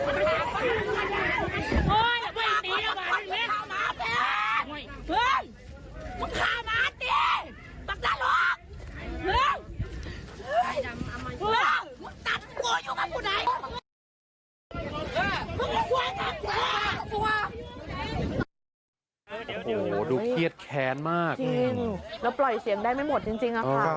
โอ้โหดูเครียดแค้นมากจริงแล้วปล่อยเสียงได้ไม่หมดจริงอะค่ะ